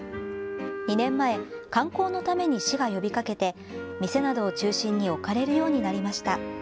２年前、観光のために市が呼びかけて店などを中心に置かれるようになりました。